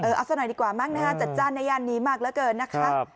เออเอาสักหน่อยดีกว่ามากนะฮะจัดจานในยานนี้มากแล้วเกินนะครับ